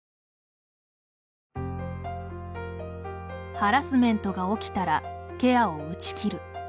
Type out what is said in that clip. ハラスメントが起きたらケアを打ち切る。